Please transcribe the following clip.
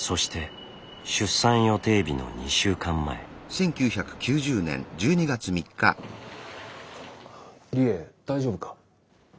そして理栄大丈夫か？